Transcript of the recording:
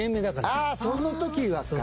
ああ「その時は」か。